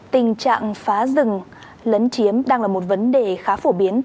tình trạng phá rừng lấn chiếm đang là một vấn đề khá phổ biến